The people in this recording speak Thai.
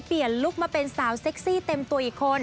ลุคมาเป็นสาวเซ็กซี่เต็มตัวอีกคน